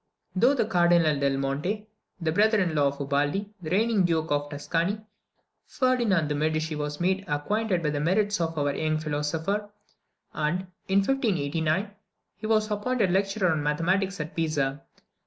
Through the Cardinal del Monte, the brother in law of Ubaldi, the reigning Duke of Tuscany, Ferdinand de Medici was made acquainted with the merits of our young philosopher; and, in 1589, he was appointed lecturer on mathematics at Pisa.